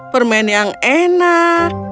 permen yang enak